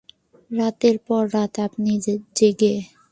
রাতের পর রাত আপনি জেগে।